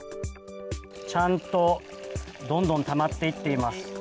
ちゃんとどんどんたまっていっています。